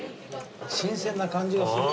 新鮮な感じがする。